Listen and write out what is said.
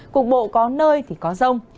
cục bộ có nơi thì có rông